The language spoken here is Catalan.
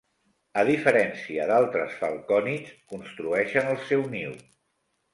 A diferència d'altres falcònids construeixen el seu niu.